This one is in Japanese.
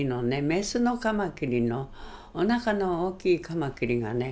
メスのカマキリのおなかの大きいカマキリがね